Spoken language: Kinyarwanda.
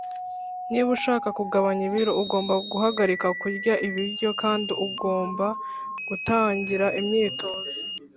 niba ushaka kugabanya ibiro, ugomba guhagarika kurya ibiryo, kandi ugomba gutangira imyitozo.